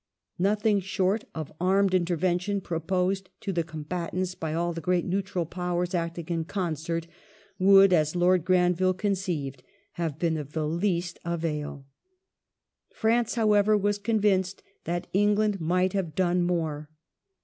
Nothing short of armed intervention, proposed to the combatants by all the great neutral powers act ing in concert, would, as Lord Granville conceived, have been of the least avail. France, however, was convinced that England might have done more.